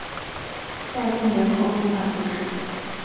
盖贡人口变化图示